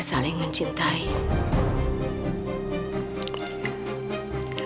terima kasih tante